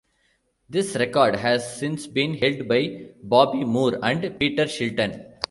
This record has since been held by Bobby Moore and Peter Shilton.